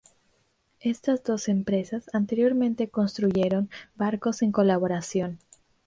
Estas dos empresas anteriormente construyeron barcos en colaboración.